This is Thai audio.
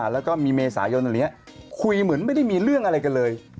แล้วก็มีเมษายนอันนี้คุยเหมือนไม่ได้มีเรื่องอะไรกันเลย